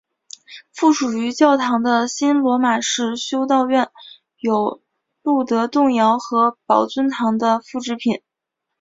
附属于教堂的新罗马式修道院有露德洞窟和宝尊堂的复制品。